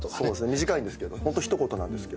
短いんですけどホント一言なんですけど。